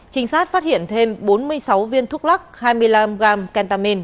trinh sát phát hiện thêm bốn mươi sáu viên thuốc lắc hai mươi năm gram kentamin